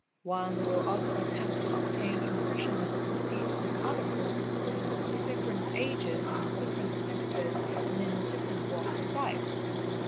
One will also attempt to obtain impressions of the feet of other persons, of different ages and different sexes and in different +3 | walks of life.